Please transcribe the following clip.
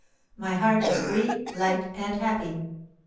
My heart is free, light, and happy.